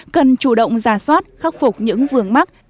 cần chủ động ra soát khắc phục những vương mắc